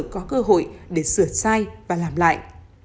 có cơ hội để sửa sai và làm lại